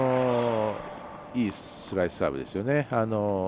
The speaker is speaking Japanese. いいスライスサーブですね。